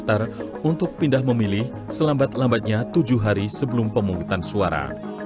daftar untuk pindah memilih selambat lambatnya tujuh hari sebelum pemungutan suara